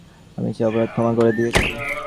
আমি সেই অপরাধ ক্ষমা করে দিয়েছি।